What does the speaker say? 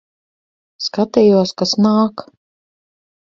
Skatījos, kas nāk.